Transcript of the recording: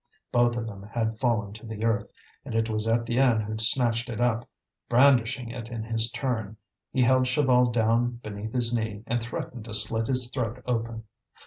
Both of them had fallen to the earth, and it was Étienne who snatched it up, brandishing it in his turn. He held Chaval down beneath his knee and threatened to slit his throat open.